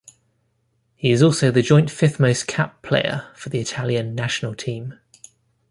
He is also the joint fifth-most capped player for the Italian national team.